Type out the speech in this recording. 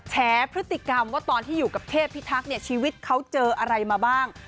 แฉพฤติกรรมว่าตอนที่อยู่กับเทพพิทักษ์เนี่ยชีวิตเขาเจออะไรมาบ้าง